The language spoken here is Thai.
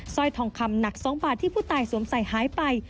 ร้อยทองคำหนัก๒บาทที่ผู้ตายสวมใส่หายไป